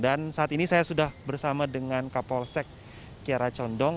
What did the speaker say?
dan saat ini saya sudah bersama dengan kapol sek kiara condong